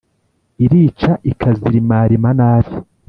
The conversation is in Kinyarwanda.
Irica ikazirimarima nabi